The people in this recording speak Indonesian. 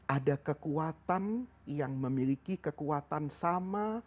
ada kekuatan yang memiliki kekuatan sama